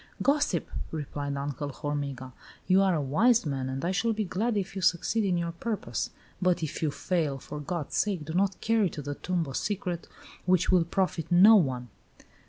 "Gossip!" replied Uncle Hormiga, "you are a wise man, and I shall be glad if you succeed in your purpose. But if you fail, for God's sake do not carry to the tomb a secret which will profit no one!"